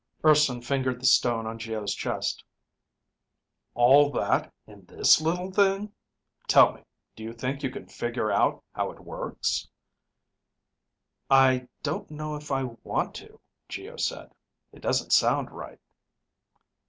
Urson fingered the stone on Geo's chest. "All that in this little thing? Tell me, do you think you can figure out how it works?" "I don't know if I want to," Geo said. "It doesn't sound right."